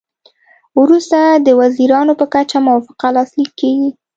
وروسته د وزیرانو په کچه موافقه لاسلیک کیږي